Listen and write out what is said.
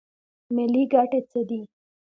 ملي ګټې څه دي؟